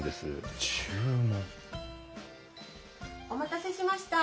・お待たせしました。